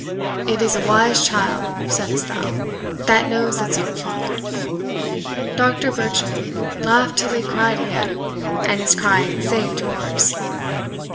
it is a wise child, saidst thou, that knows its own father. Dr. Bircham laughed till he cried again, and his crying saved yours."